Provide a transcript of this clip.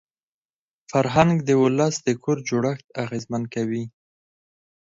فرهنګ د ولس د کور جوړښت اغېزمن کوي.